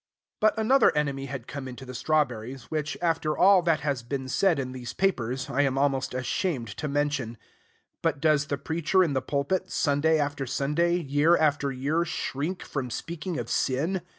But another enemy had come into the strawberries, which, after all that has been said in these papers, I am almost ashamed to mention. But does the preacher in the pulpit, Sunday after Sunday, year after year, shrink from speaking of sin?